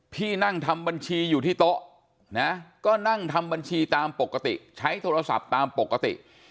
พี่นั่งทำบัญชีอยู่ที่โต๊ะนะก็นั่งทำบัญชีตามปกติใช้โทรศัพท์ตามปกติ